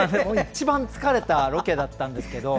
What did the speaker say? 一番疲れたロケだったんですけど。